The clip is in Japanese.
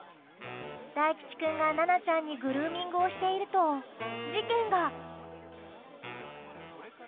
大吉君がななちゃんにグルーミングをしていると事件が。